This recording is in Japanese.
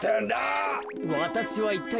わたしはいったいなにを？